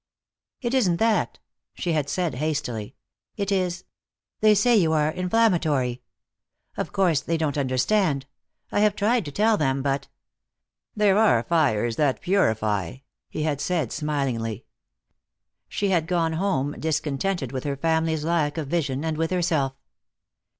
"It isn't that," she had said hastily. "It is they say you are inflammatory. Of course they don't understand. I have tried to tell them, but " "There are fires that purify," he had said, smilingly. She had gone home, discontented with her family's lack of vision, and with herself.